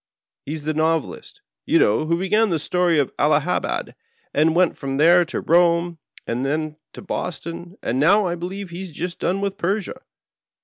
He is the Novelist, you know, who began with the story of Allahabad, and went from there to Eome, and then to Boston, and now I believe he has just done with Persia.